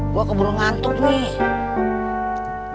gua kebun ngantuk nih